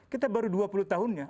kita baru dua puluh tahunnya